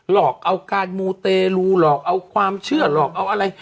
หลอกเอาการมูเตรลูหลอกเอาความเชื่อหลอกเอาอะไร